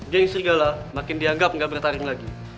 gay serigala makin dianggap gak bertarung lagi